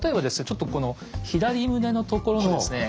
ちょっとこの左胸のところのですね